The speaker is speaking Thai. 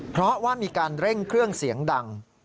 เพราะว่ามีการเร่งเครื่องเสียงดัง